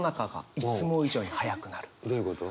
どういうこと？